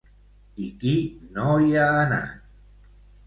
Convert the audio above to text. I qui no hi ha anat?